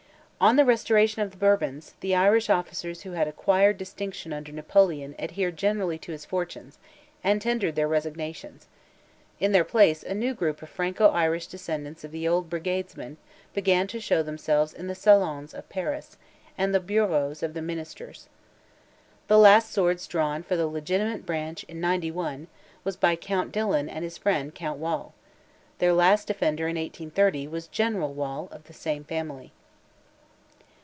On the restoration of the Bourbons, the Irish officers who had acquired distinction under Napoleon adhered generally to his fortunes, and tendered their resignations; in their place, a new group of Franco Irish descendants of the old Brigades men, began to show themselves in the salons of Paris, and the Bureaus of the Ministers. The last swords drawn for "the legitimate branch" in '91, was by Count Dillon and his friend Count Wall; their last defender, in 1830, was General Wall, of the same family.